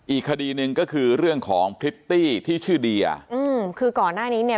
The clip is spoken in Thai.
อีกคดีหนึ่งก็คือเรื่องของพริตตี้ที่ชื่อเดียอืมคือก่อนหน้านี้เนี่ย